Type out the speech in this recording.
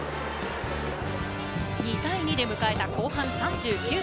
２対２で迎えた後半３９分。